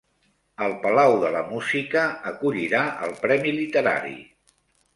El Palau de la Música acollirà el premi literari